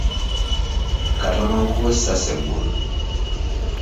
Katono nkubwe essasi eggulo.